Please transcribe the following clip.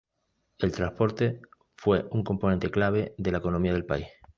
El transporte fue un componente clave de la economía del país.